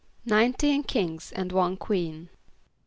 =Nineteen kings and one queen.